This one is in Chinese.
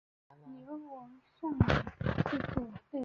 刘文翔之子。